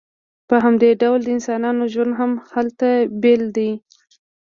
په همدې ډول د انسانانو ژوند هم هلته بیل دی